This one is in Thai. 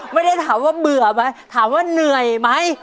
ไม่ได้ถามว่าเบื่อไหมถามว่าเหนื่อยไหม